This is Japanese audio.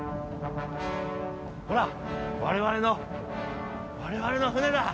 ◆ほら我々の我々の船だ。